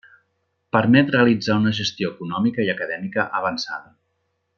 Permet realitzar una gestió econòmica i acadèmica avançada.